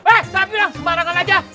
eh sampe dong sembarang aja